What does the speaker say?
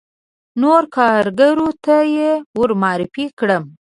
نورو کاریګرو ته یې ور معرفي کړم.